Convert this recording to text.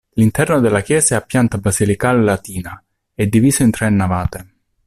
L'interno della chiesa è a pianta basilicale latina, è diviso in tre navate.